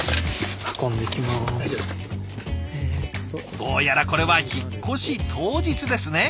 どうやらこれは引っ越し当日ですね。